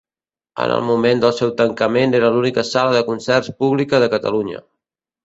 En el moment del seu tancament era l'única sala de concerts pública de Catalunya.